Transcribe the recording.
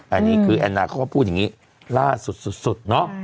อันนี้คือแอนนาเขาก็พูดอย่างนี้ล่าสุดสุดเนอะ